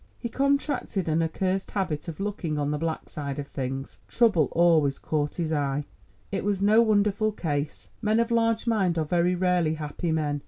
He contracted an accursed habit of looking on the black side of things; trouble always caught his eye. It was no wonderful case. Men of large mind are very rarely happy men.